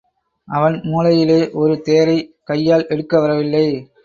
அவன் மூளையிலே ஒரு தேரை—கையால் எடுக்க வரவில்லை.